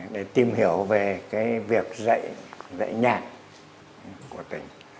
để tìm hiểu về việc dạy nhạc của tỉnh